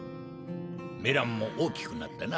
メランも大きくなったな。